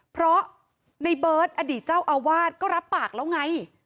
เพราะในเบิร์ตอดีตเจ้าอาวาสก็รับปากแล้วไง